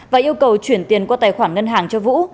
và yêu cầu chuyển tiền qua tài khoản ngân hàng cho vũ